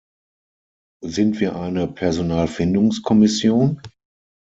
Sind wir eine Personalfindungskommission?